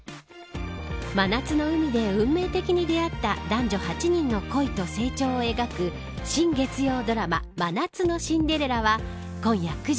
真夏の海で運命的に出会った男女８人の恋と成長を描く新月曜ドラマ真夏のシンデレラは今夜９時。